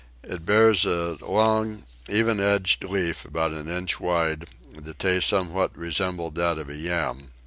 It bears a long even edged leaf about an inch wide; the taste somewhat resembled that of a yam.